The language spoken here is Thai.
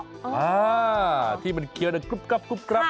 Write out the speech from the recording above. อ่าที่มันเคียวดังกรุ๊บ